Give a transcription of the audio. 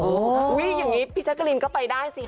อุ๊ยอย่างนี้พี่ชักกะลินก็ไปได้สิคะ